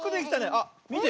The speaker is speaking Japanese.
あっみて。